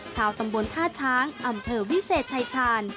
ชาวตำบลท่าช้างอำเภอวิเศษชายชาญ